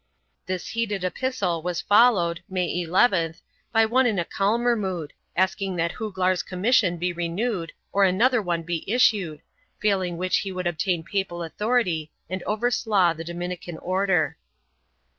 This heated epistle was followed, May llth, by one in a calmer mood, asking that Juglar 's commission be renewed or another one be issued, failing which he would obtain papal authority and overslaugh the Dominican Order.